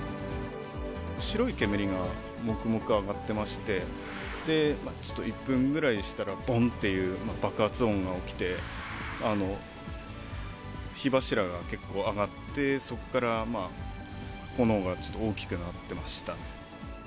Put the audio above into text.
白い煙がもくもく上がってまして、で、ちょっと１分ぐらいしたら、ぼんっていう爆発音が起きて、火柱が結構上がって、そこから炎がちょっと大きくなってましたね。